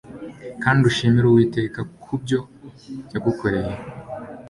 Kandi ushimire Uwiteka kubyo ya gukoreye